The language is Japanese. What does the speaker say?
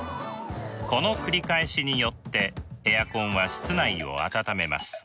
この繰り返しによってエアコンは室内を暖めます。